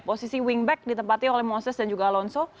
posisi wingback ditempatkan oleh moses dan juga alonso